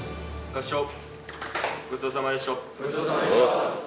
ごちそうさまでした。